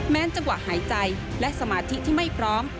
จังหวะหายใจและสมาธิที่ไม่พร้อม